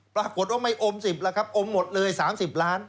ปรากฏว่าไม่อมสิบละครับอมหมดเลยสามสิบล้าน